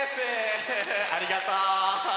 ありがとう！